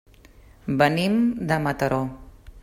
Venim de Mataró.